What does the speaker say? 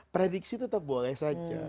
prediksi tetap boleh saja